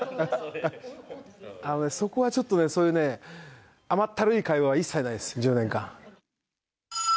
そこはちょっとね、そういうね、甘ったるい会話は一切ないです、１０年間。